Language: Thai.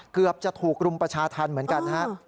เกือบจะถูกรุมประชาธรรมเหมือนกันนะครับ